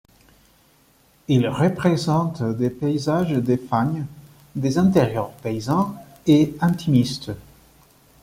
Il représente des paysages des fagnes, des intérieurs paysans et intimistes.